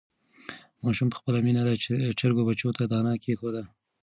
ماشوم په خپله مینه د چرګې بچیو ته دانه کېښوده.